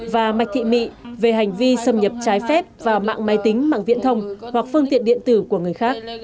và mạch thị mị về hành vi xâm nhập trái phép vào mạng máy tính mạng viễn thông hoặc phương tiện điện tử của người khác